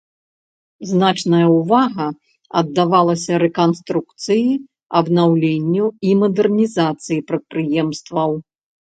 Значная ўвага аддавалася рэканструкцыі, абнаўленню і мадэрнізацыі прадпрыемстваў.